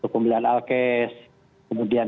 pembelian alkes kemudian